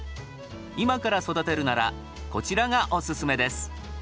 今から育てるならこちらがオススメです。